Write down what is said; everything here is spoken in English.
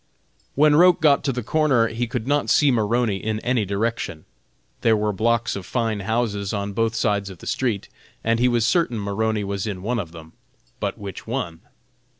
When Roch got to the corner he could not see Maroney in any direction. There were blocks of fine houses on both sides of the street, and he was certain Maroney was in one of them. But which one?